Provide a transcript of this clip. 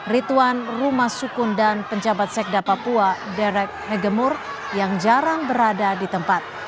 rituan rumah sukun dan penjabat sekda papua derek egemur yang jarang berada di tempat